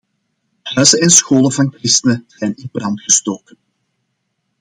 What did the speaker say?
Huizen en scholen van christenen zijn in brand gestoken.